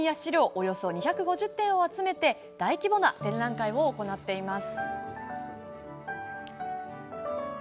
およそ２５０点を集めて大規模な展覧会を行っています。